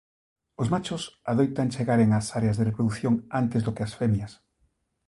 Os machos adoitan chegaren ás áreas de reprodución antes do que as femias.